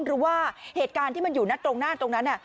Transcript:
หรือว่าเหตุการณ์ที่มันอยู่นะตรงหน้าตรงนั้น